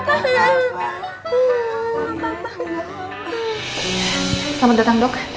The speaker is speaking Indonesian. selamat datang dok